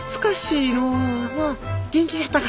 う元気じゃったか？